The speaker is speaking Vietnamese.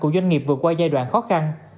của doanh nghiệp vượt qua giai đoạn khó khăn